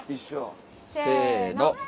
せの！